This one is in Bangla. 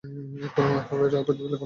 কোনো এফআইআর পর্যন্ত লেখো নাই থানায়।